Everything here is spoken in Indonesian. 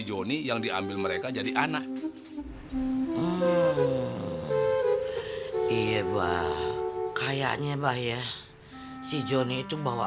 joni yang diambil mereka jadi anak iya bah kayaknya bahaya si joni itu bawa